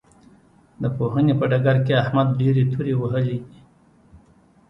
د پوهنې په ډګر کې احمد ډېرې تورې وهلې دي.